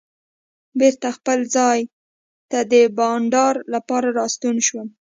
بېرته خپل ځای ته د بانډار لپاره راستون شوم.